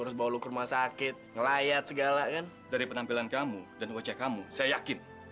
harus bawa lu ke rumah sakit ngelayat segala kan dari penampilan kamu dan kocek kamu saya yakin